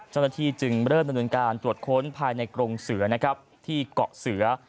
เจ้าหน้าที่จึงเริ่มดำเนินการตรวจค้นภายในกรงเสือนะครับที่เกาะเสือ